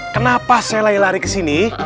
kenapa saya lari lari kesini